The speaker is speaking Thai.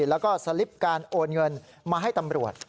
แล้วก็สลิปการโอนเงินมาให้ตำรวจ